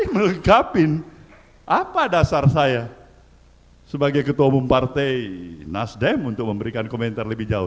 melengkapi apa dasar saya sebagai ketua umum partai nasdem untuk memberikan komentar lebih jauh